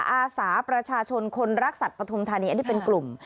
อาสาประชาชนคนรักสัตว์ปฐุมธานีอันนี้เป็นกลุ่ม